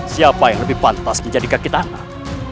siapa yang lebih pantas menjadi kaki tangan